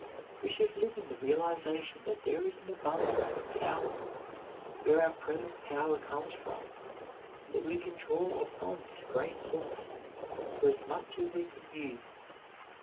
We should live in the realization that there is an abundance of power where our present power comes from, and that we can draw upon this great source for as much as we can use.